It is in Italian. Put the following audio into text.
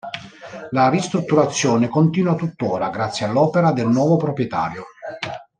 La ristrutturazione continua tuttora grazie all'opera del nuovo proprietario.